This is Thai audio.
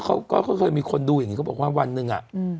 เขาก็เคยมีคนดูอย่างนี้เขาบอกว่าวันหนึ่งอ่ะ